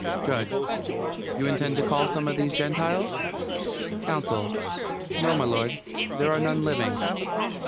JUDGE: You intend to call some of these Gentiles? COUNSEL: No, m'lud. There are none living.